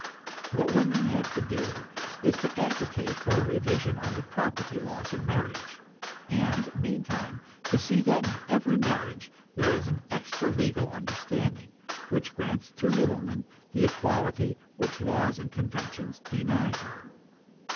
What women have to do is to agitate for a revision of the property laws of marriage; and meantime to see that in every marriage there is an extra legal understanding, which grants to the woman the equality which laws and conventions deny her.